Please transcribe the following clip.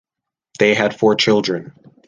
They had four children.